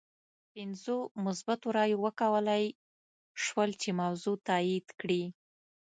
پنځو مثبتو رایو وکولای شول چې موضوع تایید کړي.